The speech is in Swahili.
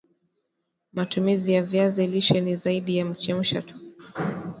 matumizi ya viazi lishe ni zaidi ya kuchemsha tu